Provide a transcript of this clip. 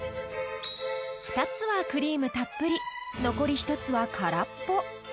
［２つはクリームたっぷり残り１つは空っぽ］